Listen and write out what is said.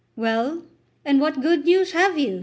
"Well, and what good news have you?"